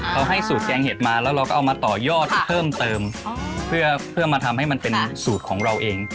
เขาให้สูตรแกงเห็ดมาแล้วเราก็เอามาต่อยอดเพิ่มเติมเพื่อมาทำให้มันเป็นสูตรของเราเอง